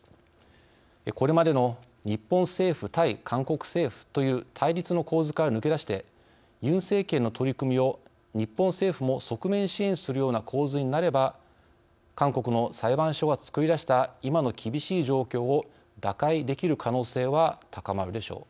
これまでの日本政府対韓国政府という対立の構図から抜け出してムン政権の取り組みを日本政府も側面支援するような構図になれば韓国の裁判所がつくりだした今の厳しい状況を打開できる可能性は高まるでしょう。